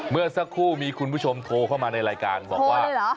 เมื่อสักครู่มีคุณผู้ชมโทรเข้ามาในรายการบอกว่า